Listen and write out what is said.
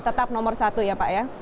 tetap nomor satu ya pak ya